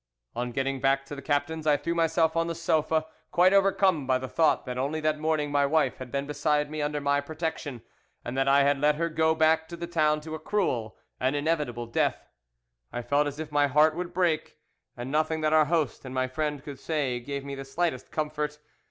"On getting back to the captain's I threw myself on the sofa, quite overcome by the thought that only that morning my wife had been beside me under my protection, and that I had let her go back to the town to a cruel and inevitable death. I felt as if my heart would break, and nothing that our host and my friend could say gave me the slightest comfort.